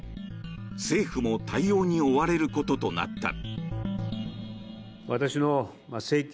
政府も対応に追われることとなった。